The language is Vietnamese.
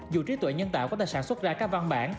dù trí tuệ nhân tạo có thể sản xuất ra các văn bản